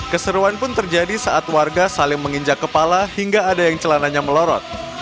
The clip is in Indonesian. keseruan pun terjadi saat warga saling menginjak kepala hingga ada yang celananya melorot